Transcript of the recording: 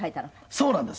そうなんです。